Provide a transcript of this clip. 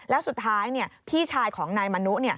แล้วสุดท้ายพี่ชายของนายมนุ